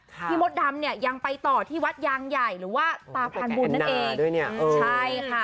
พี่มดดำเนี่ยยังไปต่อที่วัดยางใหญ่หรือว่าตาพานบุญนั่นเองใช่ค่ะ